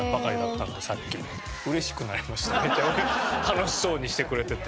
楽しそうにしてくれてて。